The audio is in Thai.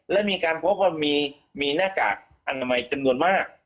แล้วมีการพบว่ามีมีหน้ากากอันน้ำไหลต์จำนวดมาก